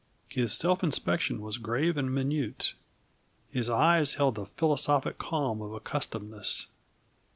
His self inspection was grave and minute. His eyes held the philosophic calm of accustomedness.